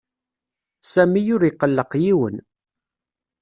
Sami ur iqelleq yiwen.